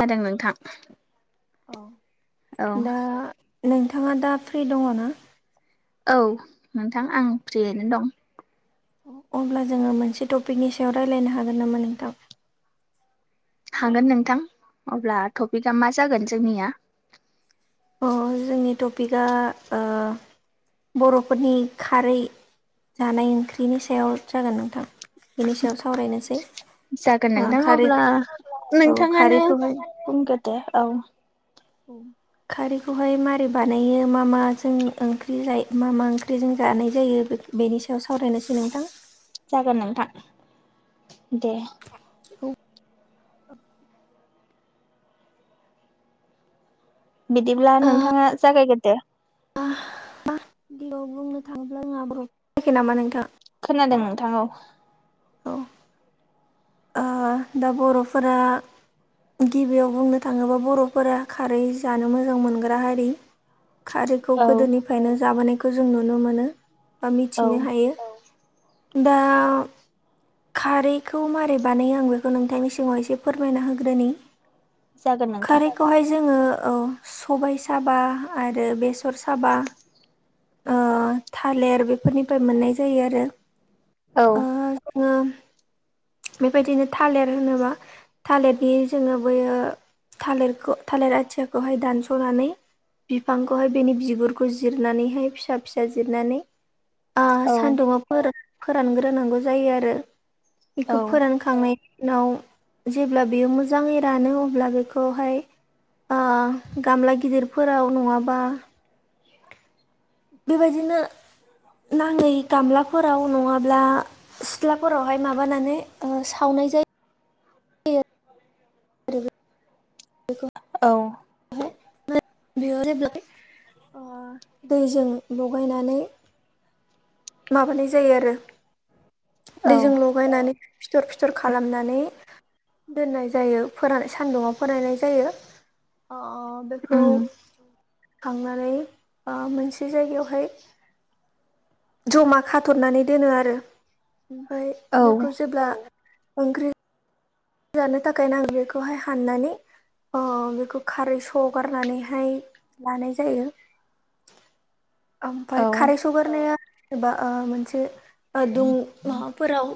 जादों नोंथां औ दा नोंथाङा दा फ्रि दङ ना औ नोंथां आं फ्रियैनो दं अब्ला जोङो मोनसे टपिकनि सायाव रायलायनो हागोन नामा नोंथां हागोन नोंथां अब्ला टपिकआ मा जागोन जोंनिया अ जोंनि टपिकआ ओ बर'फोरनि खारै जानाय ओंख्रिनि सायाव जागोन नोंथां बेनि सायाव सावरायनोसै जागोन ओ नोंथां खारै अब्ला औ नोंथाङानो खारैखौहाय बुंगोरदो औ खारैखौहाय मारै बानायो मा मा जों ओंख्रि जाय मा मा ओंख्रिजों जानाय जायो [unintelligible] बेनि सायाव सावरायनोसै नोंथां जागोन नोंथां दे औ बिदिब्ला नोंथाङा जागायगोरदो मा बेयाव बुंनो थाङोब्ला आं [unintelligible] जायाखै नामा नोंथां? खोनादों नोंथां औ। औ ओ दा बर'फोरा गिबियाव बुंनो थाङोब्ला बर'फोरा खारै जानो मोजां मोनग्रा हारि खारैखौ औ गोदोनिफ्रायनो जाबोनायखौ जों नुनो मोनो बा औ मिथिनो हायो। दा खारैखौ मारै बानायो आं बेखौ नोंथांनि सिगाङाव एसे फोरमायना होग्रोनि। जागोन नोंथां। बेवहाय जोङो औ सबाय साबा आरो बेसर साबा ओ थालिर बेफोरनिफ्राय मोननाय जायो आरो। औ ओ बेबायदिनो थालिर होनोबा थालिरनि जोङो बैयो थालिरखौ थालिर आथियाखौहाय दानस'नानै बिफांखौहाय बेनि बिगुरखौ जिरनानैहाय फिसा फिसा जिरनानै आ औ सान्दुाव फोरानग्रोनांगौ जायो आरो औ बेखौ बोखांनायनि उनाव जेब्ला बेयो मोजाङै रानो अब्ला बेखौहाय ओ गामला गिदिरफोराव नङाब्ला बेबायदिनो नाङै गामलाफोराव नङाब्ला सिथ्लाफोरावहाय माबानानै सावनाय जायो। [unintelligible] औ। हाय बेयाव जेबब्लााय ओ दैजों लगायनानै माबानाय जायो आरो औ दैजों लगायनानै फिथर फिथर खालामनानै दोननाय जायो फोरान सान्दुङाव फोरायनाय जायो। आं आं बेखौ उम बोखांनानै ओ मोनसे जायगायावहाय जमा खाथरनानै दोनो आरो ओमफ्राय औ बेखौ जेब्ला ओंख्रि जानो थाखायनो आं बेखौहाय हाननानै अ बेखौ खारै सगारनानैहाय लानाय जायो। [inaudible] ओमफ्राय औ खारै सगारनाया एबा मोनसे दुं माबाफोराव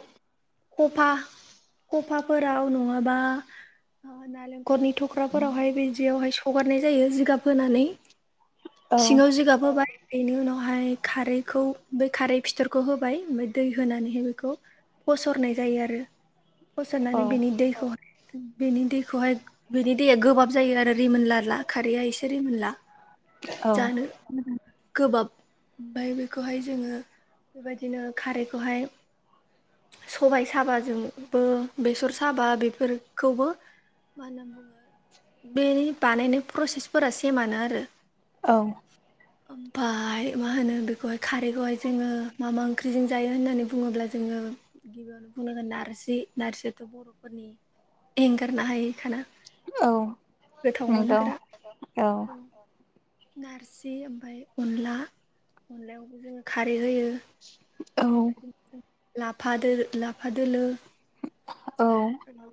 खफा खफाफोराव नङाबा न'खरनि थख्राफोरावहाय बिदियावहाय सगारनाय जायो जिगाब होनानै सिङाव जिगाब होबाय बेनि उनावहाय खारैखौ बे खारै फिथरखौ होबाय ओमफ्राय दै होनानैहाय बेखौ बसरनाय जायो आरो। सारनानै औ बेनि दैखौह बेनि दैखौहाय बेनि दैया गोबाब जायो आरो। रिमोनलाला खारैया इसे रिमोनला औ जानो। गोबाब ओमफफ्राय बेखौहाय जोङो। बेबायदिनो खारैखौहाय सबाय साबाजोंबो बेसर साबा बेफोरखौबो मा होनो बे बानायनाय प्रसेसफोरा सेमानो आरो। औ। ओमफफ्राय मा होनो बेखौहाय खारैखौहाय जोङो मा मा ओंख्रिजों जायो होननानै बुङोब्ला जोङो। गिबियावनो बुंनांगोन नारजि नारजियाथ' बर'फोरनि एंगारनो हायिखाना। औ गोथाव नंगौ मोनग्रा। औ नारजि ओमफ्राय अनला अनलायावबो जोङो खारै होयो। औ लाफा दो लाफा दोलो औ [unintelligible]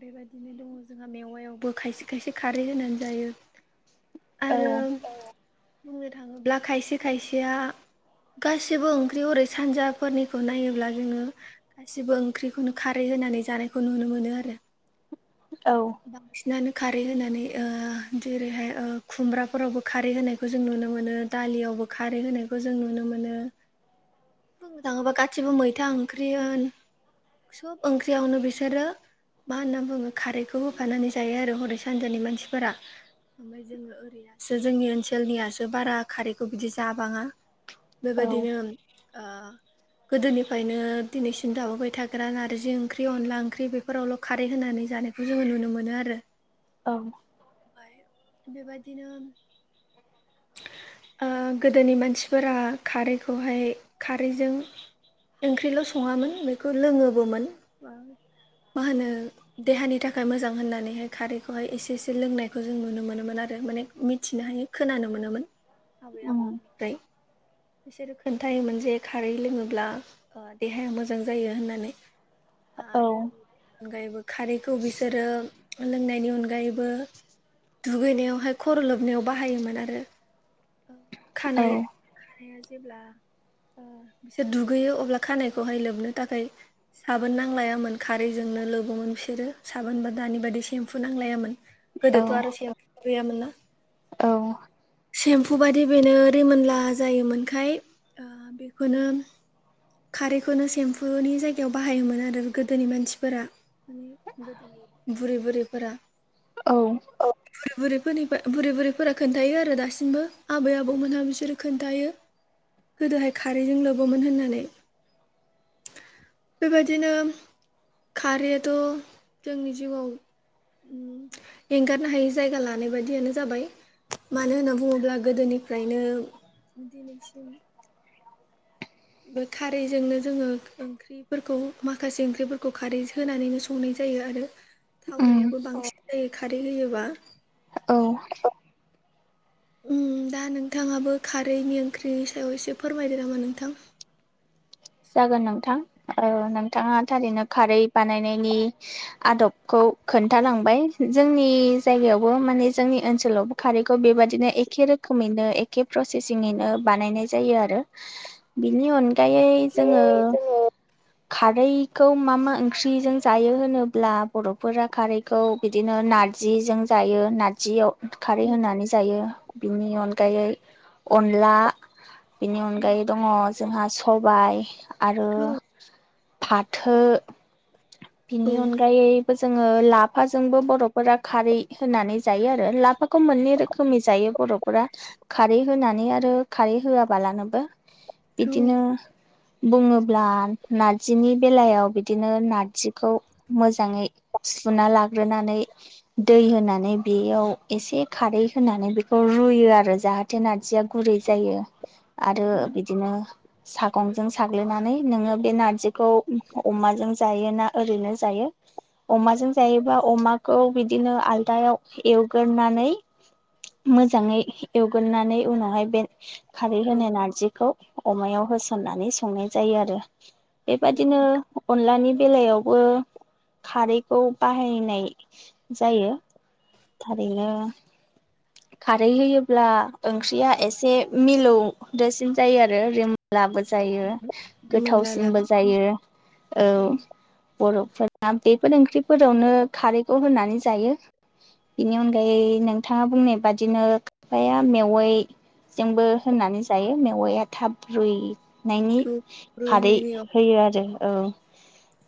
बेबायदिनो दङ जोंहा मेवायावबो खायसे खायसे खारै होनानै जायो। आरो औ बुंनो थाङोब्ला खायसे खायसेया गासिबो ओंख्रि हरै सानजाफोरनिखौ नायोब्ला जोङो गासिबो ओंख्रिखौनो खारै होनानै जानायखौ नुनो मोनो आरो। औ बांसिनानो खारै होनानै ओ जेरैहाय ओ खुमब्राफोरावबो खारै होनायखौ जों नुनो मोनो। दालियावबो खारै होनायखौ जों नुनो मोनो। [inaudible] बुंनो थाङोबा गासिबो मैथा ओंख्रि होन सब ओंख्रियावनो बिसोरो मा होनना बुङो खारैखौ होफानानै जायो आरो हरै सानजानि मानसिफोरा ओमफ्राय जोङो ओरैयासो जोंनि ओनसोलनियासो बारा खारैखौ बिदि जाबाङा औ बेबायदिनो आ गोदोनिफ्रायनो दिनैसिम दाबोबाय था खाग्रा नारजि ओंख्रि अनला ओंख्रि बेफोरावल' खारै होनानै जानायखौ जोङो नुनो मोनो आरो। औ। ओमफ्राय बेबायदिनो [inaudible] ओ गोदोनि मानसिफोरा खारैखौहाय खारैजों ओंख्रिल' सङामोन बेखौ लोङोबोमोन बा मा होनो देहानि थाखाय मोजां होननानैहाय खारैखौहाय एसे एसे लोंनायखौ जों नुनो मोनोमोन आरो माने मिथिनो हायो खोनानो मोनोमोन आबै उम आबौमोननि फाय बिसोरो खोनथाइ मोनसेे खारै लोङोब्ला देहाया मोजां जायो होनना नै आरो औ बेनि अनगायैबो खारैखौ बिसोरो लोंनायनि अनगायैबो दुगैनायावहाय खर' लोबनायाव बाहायोमोन आरो ओ औ खानाय [unintelligible] जेब्ला ओ बिसोर दुगैयो अब्ला खानायखौहाय लोबनो थाखाय साबोन नांलायामोन खारैजोंनो लोबोमोन बिसोरो साबोन बा दानि बादि सेम्फु नांलायामोन। औ गोदोथ' आरो [unintelligible] गैयामोन ना। औ। सेम्पु बायदि बेनो रिमोनला जायोमोनखाय ओ बेखौनो खारैनो सेम्फुनि जा गायाव बाहायोमोन आरो गोदोनि मानसिफोरा माने गोदोनि बुरै बुरैफोरा। औ। बुरै बुरैफोरनिफ्राय बुरै बुरैफोरा खोन्थायो आरो दासिमबो आबै आबौमोनहा बिसोरो खोन्थायो गोदोहाय खारैजों लबोौमोन होननानै। बेबायदिनो खारैआथ' जोंनि जिउआव उम [inaudible] एंगारनो हायै जायगा लानाय बायियानो जाबाय। मानो होनना बुङोब्ला गोदोनिफ्रायनो दिनैसिम खारैजोंनो जोङो ओंख्रि फोरखौ माखासे ओंख्रिफोरखौ खारै होनानैनो संनाय जायो आरो उम थावनायाबो बांसिन जायो खारै होयोबा। औ। उम दा नोंथाङाबो खारैनि ओंख्रिनि सायाव एसे फोरमायदो नामा नोंथां? जागोन नोंथां ओ नोंथाङा थारैनो खारै बानायनायनि आदबखौ खोन्थालांबाय जोंनि जायगायावबो माने जोंनि ओनसोलावबो खारैखौ बेबादिनो एखे रोखोमैनो एखे प्रसेसिङैनो बानायनाय जायो आरो बिनि अनगायै जोङो खारैखौ मा मा ओंख्रिजों जायो होनोब्ला बर'फोरा खारै खौ बिदिनो नारजिजों जायो नारजियाव खारै होनानै जायो बिनि अनगायै अनला बेनि अनगायै दङ जोंहा सबाय आरो औ फाथो बिनि औ अनगायै जोङो लाफाजोंबो बरफोरा खारै होनानै जायो आरो लाफाखौ मोननै रोख खमि जायो बर'फोरा खारै होनानै आरो खारै होआबालानोबो। बिदिनो बुङोब्ला नारजिनि बेलायाव बिदिनो नारजिखौ मोजाङै सुना लाग्रोनानै दै होनानै बेयाव एसे खारै होनानै बेखौ रुयो आरो जाहाथ नारजिया गुरै जायो आरो बिदिनो सागंजों साग्लिनानै नोङो बे नारजिखौ अमाजों जायो ना ओरैनो जायो अमाजों जायोबा अमाखौ बिदिनो आलदायाव एवगोरनानै मोजाङै एवगोरनानै उनावहाय बे खारै औ होनाय नारजिखौ अमायाव होसननानै संनाय जायो आरो बेबायादिनो। अनलानि बेलायावबो खारैखौ बाहायनाय जायो। थारैनो। खारै होयोब्ला ओंख्रिया एसे मिलौदोसिन जायो आरो। लाबो जायो बे मोनलाला गोथावसिनबो जायो औ। बर फोरा बेफोर ओंख्रिफोरावनो खारैखौ होनानै जायो। बेनि अनगायै नोंथाङा बुंनाय बादिनो खायफाया मेवाइ जोंबो होनानै जायो मेवाया थाब रुइनायनि। [inaudible] खारै होयो आरो औ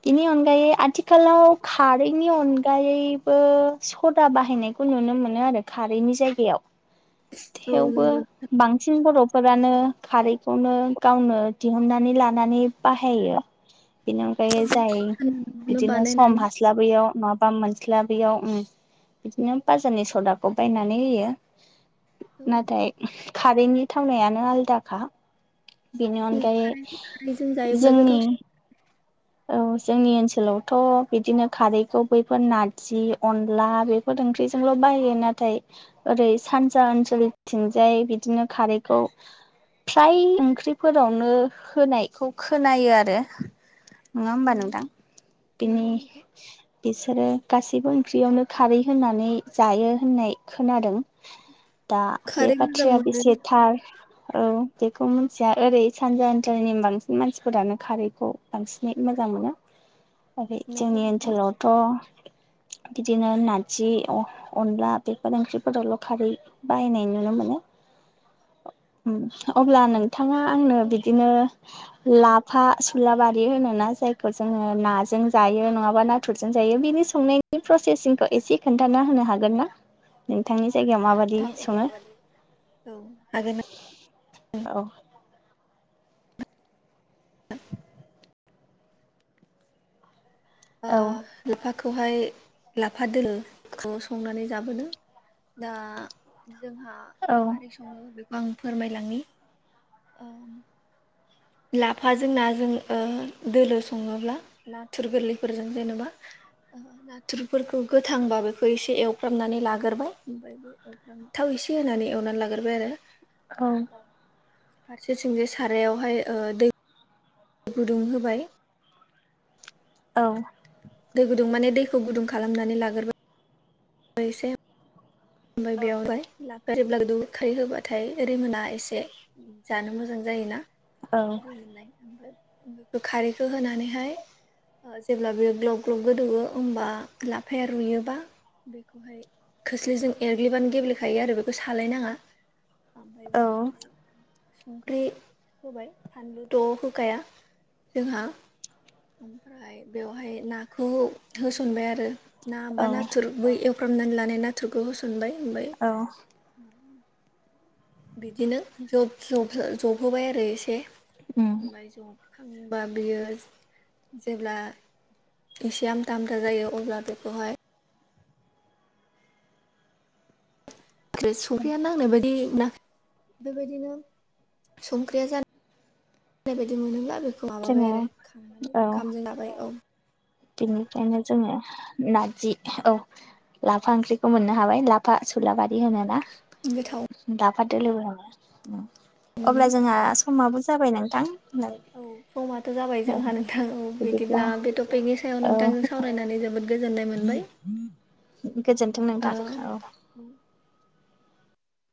बिनि अनगायै आथिख खालाआव खारैनि अनग गायैबो सदा बाहायनायखौ नुनो मोनो आरो खारैनि जायगायाव। औ थेवबो नंगौ बांसिन बर'फो फोरानो खारैखौनो गावनो दिहुननानै लानानै बाहायो। बिनि अनगायै जाय न'आवनो बिदिनो समा बानायनानै हास्लाब स्लाबैयाव माबा मोनस्लाबैयाव उम बिदिनो बाजारनि सदाखौ बायनानै होयो। औ नाथाय खारैनि थावनायानो आलदाखा। बेनि अनगायै खारैजों जायोब्ला जोंनि गोथावसिन औ जोंनि ओनसोलावथ बिदिनो खारैखौ बैफोर नारजि अनला बे फोर ओंख्रिजोंल बाहायो नाथाय। ओरै सानजा ओनसोलथिंजाय बिदिनो खारैखौ फ्राय ओंख्रिफोरावनो होनायखौ खोनायो आरो नङा होमबा उम नोंथां बिनि नंगौ नोंथां बिसोरो गासैबो ओंख्रियावनो खारै होननानै जायो होननाय खोनादों। दा बे खारै मोजां बाथ्राया मोनो बेसे थार औ बेखौ मिथिया ओरै सानजा ओनसोलनि बांसिन मानसिफोरानो खारैखौ बांसिन नै मोजां मोनो ओरै नंगौ जोंनि ओनसोलावथ बिदिनो नारजि अनला बेफोर ओंख्रिफोरावल खारै बाहायनाय नुनो मोनो। अब्ला नोंथाङा आंनो नोंथां बिदिनो। लाफा सुलाबारि होनो। ना जायखौ जोङो नाजों जायो नङाबा नाथुरजों जायो बिनि संनायनि प्रसेसिंखौ एसे। खोन्थाना होनो हागोन ना नोंथांनि जायगायाव माबादि। बिदि सङो औ हागोन औ। ओ औ। लाफाखौहाय लाफा दोलोखौ संनानै जाबोदों। दा जोंहा औ माबोरै सङो बेखौ आं फोरमाय लांनि लाफाजों नाजों दोलो सङोब्ला नाथुर गोरलैफोरजों जेनबा नाथुरफोरखौ गोथांबा बेखौ एसे एवफ्रामनानै लाग्रोबाय ओमफ्राय बे थाव एसे होनानै एवनानै लाग्रोबाय आरो। फारसेथिंजाय सारायावहाय ओ दै गुदुं होबाय औ। दै गुदुं माने दैखौ गुदुं खालामनानै लाग्रोबाय [unintelligible] ओमफ्राय बेयावहाय लाफा गोदौवो खारै होबाथाय रैमोना एसे जानो मोजां जायोना रैमोननाय ओमफ्राय बे खारैखौ होनानैहाय जेब्ला बेयो ग्लब ग्लब गोदौवो होमबा लाफाया रुयोबा बेखौ बेखौहाय खोस्लिजों एरग्लिबानो गेब्लेखायो आरो बेखौ सालायनाङा ओमफ्राय औ बेवहाय संख्रि होबाय फानलु द' होखाया जोंहा ओमफ्राय बेवहाय नाखौ होसनबाय आरो। ना बा औ नाथुर बै एवफ्रामनानै लानाय नाथुरखौ होसनबाय ओमफ्राय औ [inaudible] बिदिनो जब जब जब होबाय आरो एसे ओमफ्राय जब खांबा बियो जेब्ला एसे आमथा आमथा जायो अब्ला बेखौहाय [unintelligible] संख्रिया नांनो बायदि नाख बेबायदिनो संख्रिया जानाय जानाय बायदि मोनोब्ला बेखौ माबाबाय जोङो आरो औ ओंखामजों लाबाय औ बेनिफ्रायनो जोङो नारजि औ लाफा ओंख्रिखौ मोननो हाबाय लाफा सुलाबारि होनोना गोथाव लाफा दोलोबो होनो मोनो अब्ला जोंहा समाबो जाबाय नोंथां औ समाथ' जाबाय जोंहा नोंथां औ बिदिब्ला बे टपिकनि सायाव औ नोंथांजों सावरायनानै जोबोद गोजोननाय मोनबाय। गोजोनथों नोंथां औ